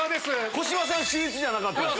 小芝さん秀逸じゃなかった？